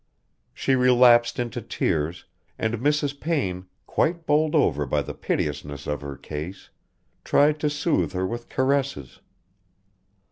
She relapsed into tears, and Mrs. Payne, quite bowled over by the piteousness of her case, tried to soothe her with caresses.